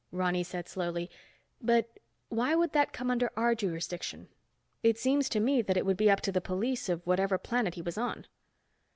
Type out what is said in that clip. Ronny said slowly, "But why would that come under our jurisdiction? It seems to me that it would be up to the police of whatever planet he was on."